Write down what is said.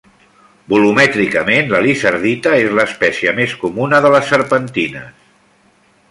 Volumètricament la lizardita és l'espècie més comuna de les serpentines.